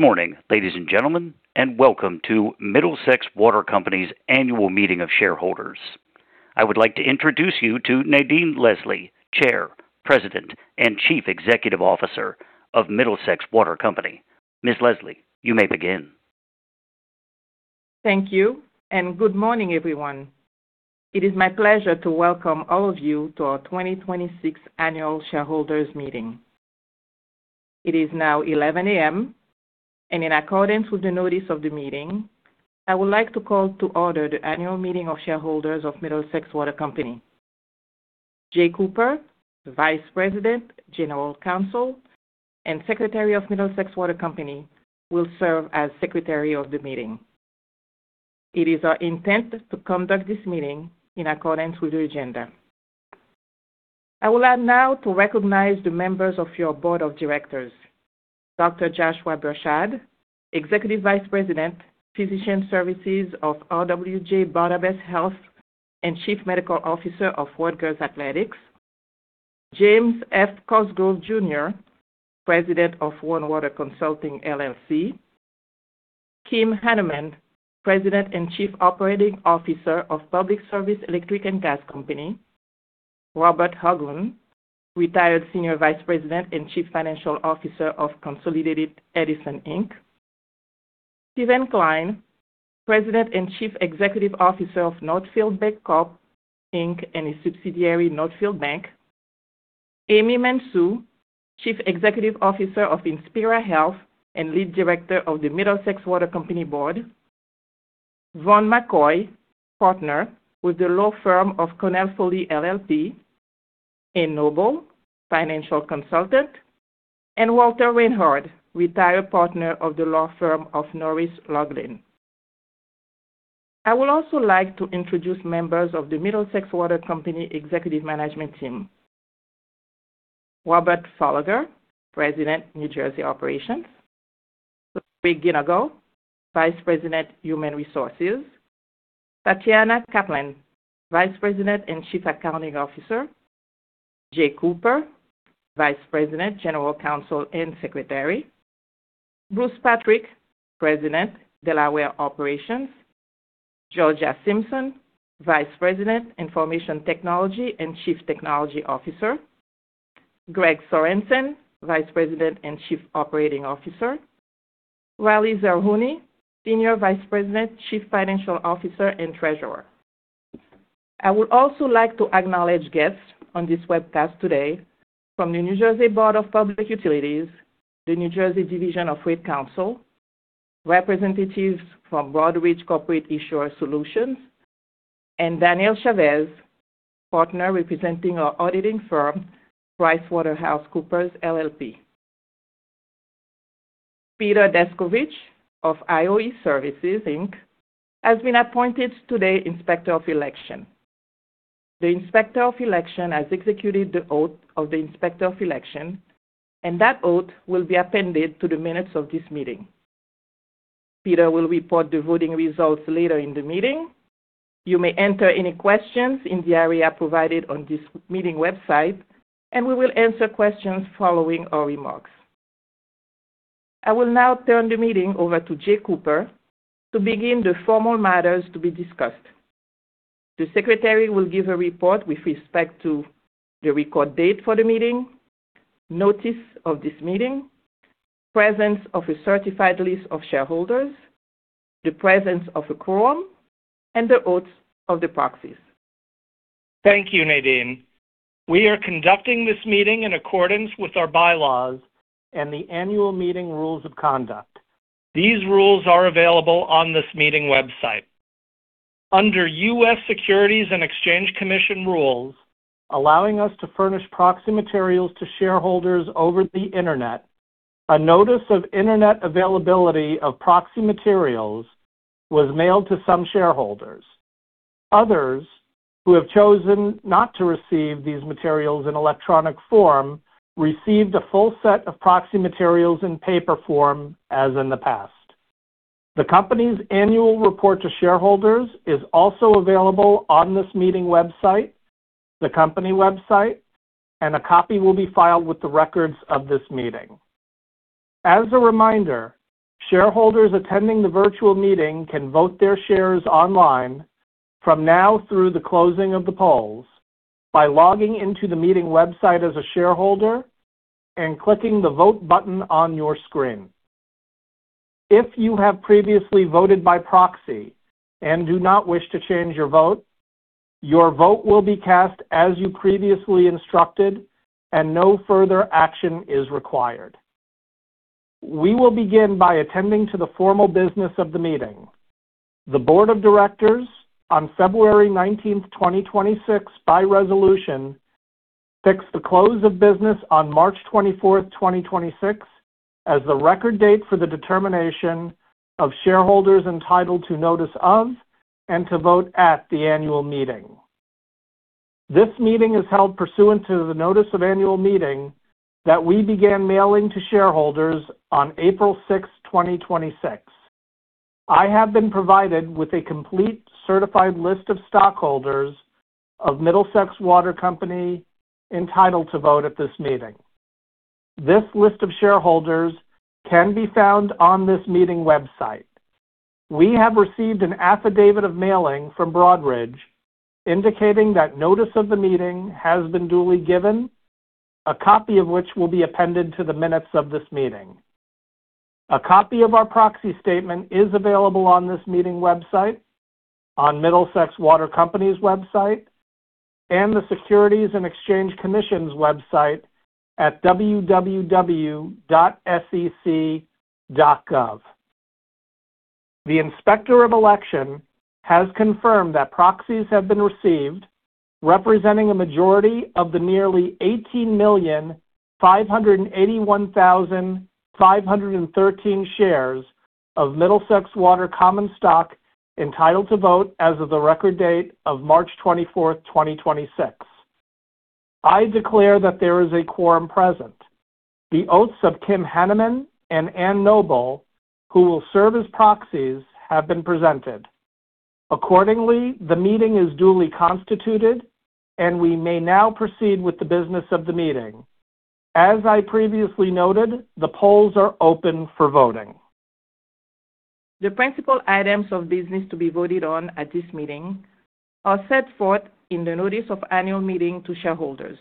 Good morning, ladies and gentlemen, and welcome to Middlesex Water Company's annual meeting of shareholders. I would like to introduce you to Nadine Leslie, Chair, President, and Chief Executive Officer of Middlesex Water Company. Ms. Leslie, you may begin. Thank you. Good morning, everyone. It is my pleasure to welcome all of you to our 2026 annual shareholders meeting. It is now 11:00 A.M., and in accordance with the notice of the meeting, I would like to call to order the annual meeting of shareholders of Middlesex Water Company. Jay Kooper, Vice President, General Counsel, and Secretary of Middlesex Water Company, will serve as Secretary of the meeting. We intend to conduct this meeting in accordance with the agenda. I would like now to recognize the members of your Board of Directors. Dr. Joshua Bershad, Executive Vice President, Physician Services of RWJBarnabas Health, and Chief Medical Officer of Rutgers Athletics. James F. Cosgrove, Jr., President of One Water Consulting, LLC. Kim Hanemann, President and Chief Operating Officer of Public Service Electric and Gas Company. Robert Hoglund, Retired Senior Vice President and Chief Financial Officer of Consolidated Edison, Inc. Steven Klein, President and Chief Executive Officer of Northfield Bancorp, Inc., and a subsidiary Northfield Bank. Amy Mansue, Chief Executive Officer of Inspira Health and Lead Director of the Middlesex Water Company Board. Vaughn McKoy, Partner with the law firm of Connell Foley, LLP. Ann Noble, Financial Consultant. Walter Reinhard, retired partner of the law firm of Norris McLaughlin, PA. I would also like to introduce members of the Middlesex Water Company executive management team. Robert Fullagar, President, New Jersey Operations. Luke McGinagal, Vice President, Human Resources. Tatyana Kaplan, Vice President and Chief Accounting Officer. Jay Kooper, Vice President, General Counsel, and Secretary. Bruce Patrick, President, Delaware Operations. Georgia Simpson, Vice President, Information Technology, and Chief Technology Officer. Greg Sorensen, Vice President and Chief Operating Officer. Rally Zerhouni, Senior Vice President, Chief Financial Officer, and Treasurer. I would also like to acknowledge guests on this webcast today from the New Jersey Board of Public Utilities, the New Jersey Division of Rate Counsel, representatives from Broadridge Corporate Issuer Solutions, and Daniel Chavez, Partner representing our auditing firm, PricewaterhouseCoopers LLP. Peter Descovich of IOE Services, Inc. has been appointed today Inspector of Election. The Inspector of Election has executed the oath of the Inspector of Election, and that oath will be appended to the minutes of this meeting. Peter will report the voting results later in the meeting. You may enter any questions in the area provided on this meeting website, and we will answer questions following our remarks. I will now turn the meeting over to Jay Kooper to begin the formal matters to be discussed. The Secretary will give a report with respect to the record date for the meeting, notice of this meeting, presence of a certified list of shareholders, the presence of a quorum, and the oaths of the proxies. Thank you, Nadine. We are conducting this meeting in accordance with our bylaws and the annual meeting rules of conduct. These rules are available on this meeting website. Under U.S. Securities and Exchange Commission rules, allowing us to furnish proxy materials to shareholders over the Internet, a notice of Internet availability of proxy materials was mailed to some shareholders. Others who have chosen not to receive these materials in electronic form received a full set of proxy materials in paper form, as in the past. The company's annual report to shareholders is also available on this meeting website, the company website, and a copy will be filed with the records of this meeting. As a reminder, shareholders attending the virtual meeting can vote their shares online from now through the closing of the polls by logging into the meeting website as a shareholder and clicking the Vote button on your screen. If you have previously voted by proxy and do not wish to change your vote, your vote will be cast as you previously instructed, and no further action is required. We will begin by attending to the formal business of the meeting. The board of directors, on February 19th, 2026, by resolution, fixed the close of business on March 24th, 2026, as the record date for the determination of shareholders entitled to notice of and to vote at the annual meeting. This meeting is held pursuant to the notice of annual meeting that we began mailing to shareholders on April 6, 2026. I have been provided with a complete certified list of stockholders of Middlesex Water Company entitled to vote at this meeting. This list of shareholders can be found on this meeting website. We have received an affidavit of mailing from Broadridge indicating that notice of the meeting has been duly given, a copy of which will be appended to the minutes of this meeting. A copy of our proxy statement is available on this meeting website, on Middlesex Water Company's website, and the Securities and Exchange Commission's website at www.sec.gov. The Inspector of Election has confirmed that proxies have been received representing a majority of the nearly 18,581,513 shares of Middlesex Water common stock entitled to vote as of the record date of March 24, 2026. I declare that there is a quorum present. The oaths of Kim Hanemann and Ann Noble, who will serve as proxies, have been presented. Accordingly, the meeting is duly constituted, and we may now proceed with the business of the meeting. As I previously noted, the polls are open for voting. The principal items of business to be voted on at this meeting are set forth in the notice of annual meeting to shareholders.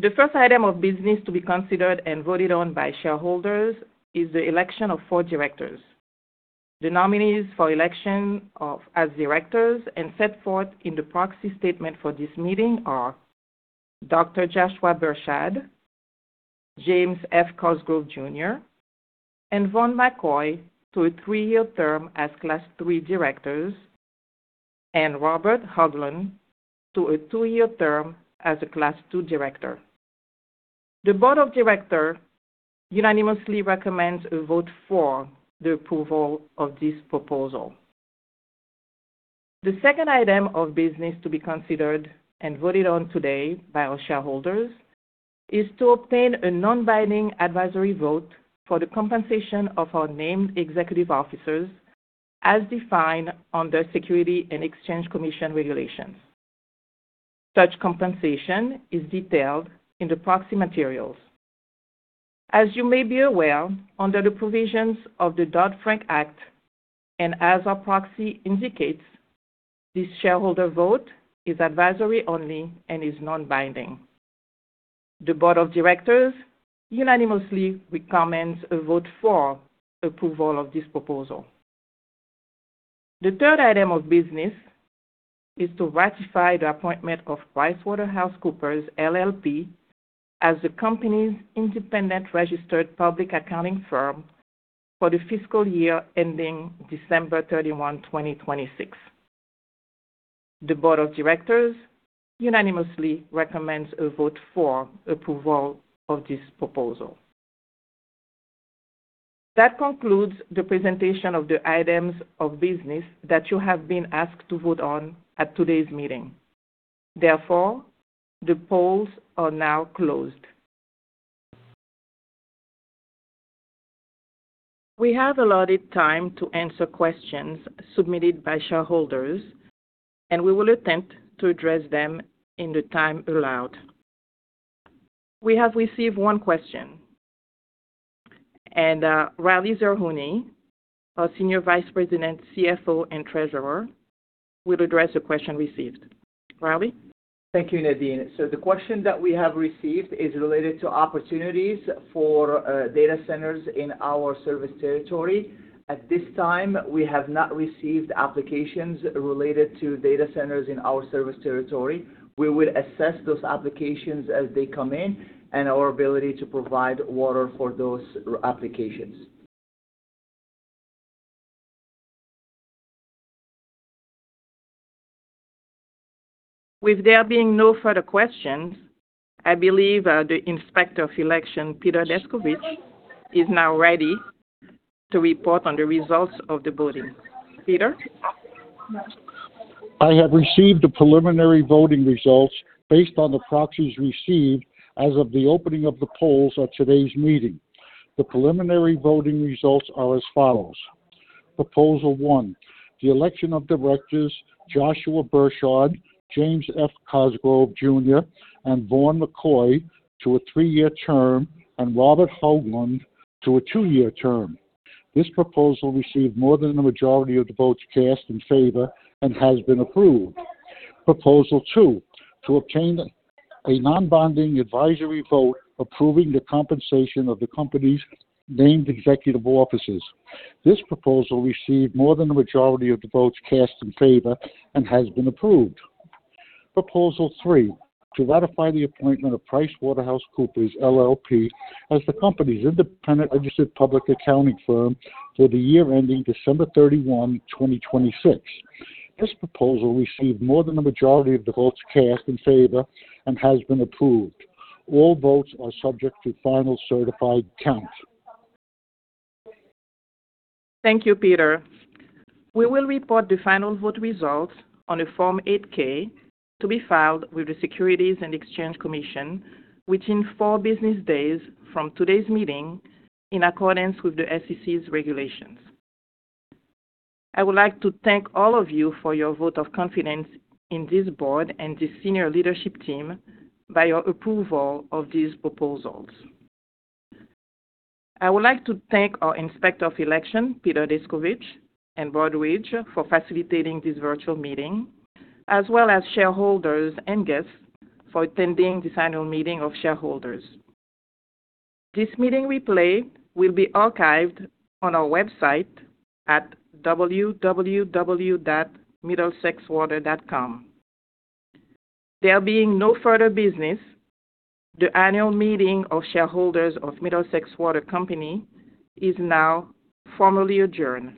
The first item of business to be considered and voted on by shareholders is the election of four directors. The nominees for election as directors and set forth in the proxy statement for this meeting are Joshua Bershad, James F. Cosgrove, Jr., and Vaughn McKoy to a three-year term as Class III directors, and Robert Hoglund to a two-year term as a Class II director. The Board of Directors unanimously recommends a vote for the approval of this proposal. The second item of business to be considered and voted on today by our shareholders is to obtain a non-binding advisory vote for the compensation of our named executive officers as defined under Securities and Exchange Commission regulations. Such compensation is detailed in the proxy materials. As you may be aware, under the provisions of the Dodd-Frank Act, as our proxy indicates, this shareholder vote is advisory only and is non-binding. The board of directors unanimously recommends a vote for approval of this proposal. The third item of business is to ratify the appointment of PricewaterhouseCoopers, LLP as the company's independent registered public accounting firm for the fiscal year ending December 31, 2026. The Board of Directors unanimously recommends a vote for approval of this proposal. That concludes the presentation of the items of business that you have been asked to vote on at today's meeting. The polls are now closed. We have allotted time to answer questions submitted by shareholders, we will attempt to address them in the time allowed. We have received one question. Rally Zerhouni, our Senior Vice President, CFO and Treasurer, will address the question received. Rally. Thank you, Nadine. The question that we have received is related to opportunities for data centers in our service territory. At this time, we have not received applications related to data centers in our service territory. We will assess those applications as they come in, and our ability to provide water for those applications. With there being no further questions, I believe the Inspector of Election, Peter Descovich, is now ready to report on the results of the voting. Peter. I have received the preliminary voting results based on the proxies received as of the opening of the polls at today's meeting. The preliminary voting results are as follows. Proposal 1, the election of directors Joshua Bershad, James F. Cosgrove, Jr., and Vaughn McKoy to a three-year term, and Robert Hoglund to a two-year term. This proposal received more than the majority of the votes cast in favor and has been approved. Proposal 2, to obtain a non-binding advisory vote approving the compensation of the company's named executive officers. This proposal received more than the majority of the votes cast in favor and has been approved. Proposal 3, to ratify the appointment of PricewaterhouseCoopers LLP as the company's independent registered public accounting firm for the year ending December 31, 2026. This proposal received more than the majority of the votes cast in favor and has been approved. All votes are subject to final certified count. Thank you, Peter. We will report the final vote results on a Form 8-K to be filed with the Securities and Exchange Commission within four business days from today's meeting in accordance with the SEC's regulations. I would like to thank all of you for your vote of confidence in this board and the senior leadership team by your approval of these proposals. I would like to thank our Inspector of Election, Peter Descovich and Broadridge for facilitating this virtual meeting, as well as shareholders and guests for attending this annual meeting of shareholders. This meeting replay will be archived on our website at www.middlesexwater.com. There being no further business, the annual meeting of shareholders of Middlesex Water Company is now formally adjourned.